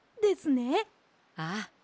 ああ。